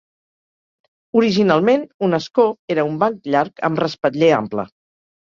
Originalment un escó era un banc llarg amb respatller ample.